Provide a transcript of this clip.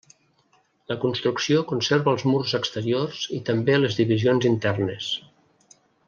La construcció conserva els murs exteriors i també les divisions internes.